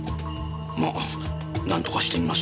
まあなんとかしてみます。